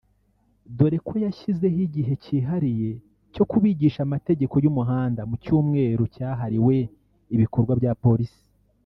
dore ko yashyizeho igihe kihariye cyo kubigisha amategeko y’umuhanda mu cyumweru cyahariwe ibikorwa bya Polisi